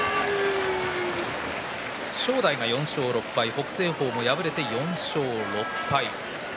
正代が４勝６敗北青鵬、敗れて４勝６敗。